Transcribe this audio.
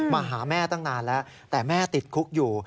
มาหาแม่ตั้งนานแล้วแต่แม่ติดคุกอยู่